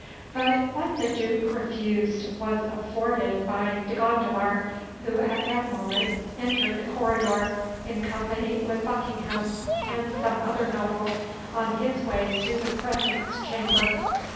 But what the Duke refused was afforded by De Gondomar, who at that moment entered the corridor, in company with Buckingham and some other nobles, on his way to the presence chamber.